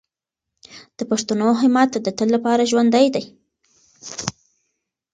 د پښتنو همت د تل لپاره ژوندی دی.